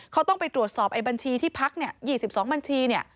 เขาต้องไปตรวจสอบไอ้บัญชีที่พัก๒๒บัญชี